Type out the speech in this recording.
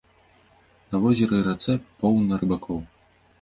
На возеры і рацэ поўна рыбакоў.